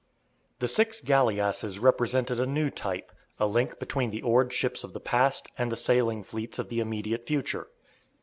The six galleasses represented a new type, a link between the oared ships of the past and the sailing fleets of the immediate future.